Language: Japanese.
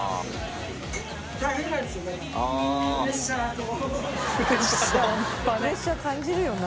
プレッシャー感じるよな。